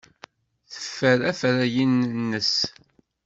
Teffer afrayen-nnes.